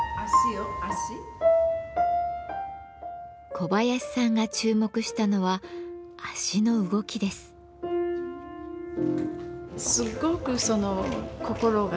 小林さんが注目したのは足の動きです。